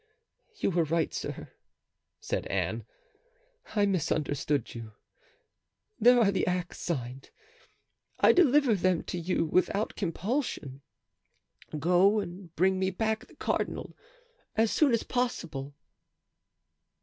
"You were right, sir," said Anne. "I misunderstood you. There are the acts signed; I deliver them to you without compulsion. Go and bring me back the cardinal as soon as possible."